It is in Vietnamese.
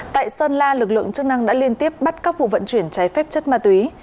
tại sơn la lực lượng chức năng đã liên tiếp bắt các vụ vận chuyển trái phép chất ma túy